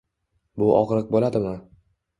Bu og’riq bo’ladimi